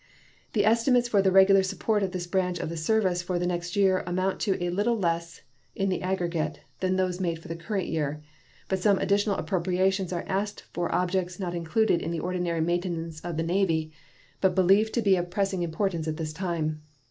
The estimates for the regular support of this branch of the service for the next year amount to a little less in the aggregate than those made for the current year; but some additional appropriations are asked for objects not included in the ordinary maintenance of the Navy, but believed to be of pressing importance at this time.